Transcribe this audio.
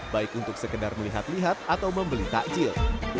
baik untuk sekedar melihat lihat atau membeli takjil